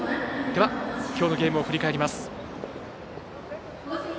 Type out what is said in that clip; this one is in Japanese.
では、きょうのゲームを振り返ります。